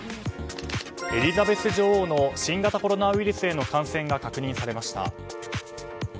エリザベス女王の新型コロナウイルスへの感染が確認されました。